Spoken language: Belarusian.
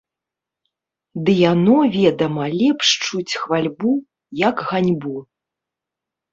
Ды яно, ведама, лепш чуць хвальбу, як ганьбу.